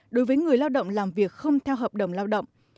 đối với người lao động làm việc không theo hợp đồng lao động